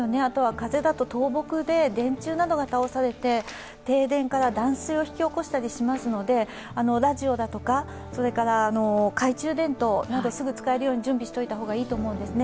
風だと倒木で電柱などが倒されて停電から断水も起こしたりしますのでラジオだとか、それから、懐中電灯、すぐ使えるように準備しておいた方がいいと思うんですね。